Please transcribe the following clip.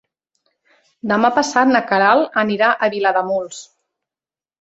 Demà passat na Queralt anirà a Vilademuls.